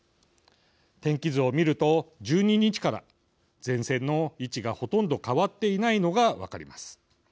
天気図を見ると１２日から前線の位置がほとんど変わっていないのが分かります。